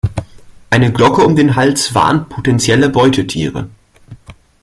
Eine Glocke um den Hals warnt potenzielle Beutetiere.